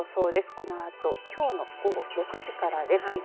このあときょうの午後６時からです。